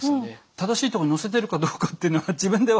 正しい所に乗せてるかどうかっていうのは自分では。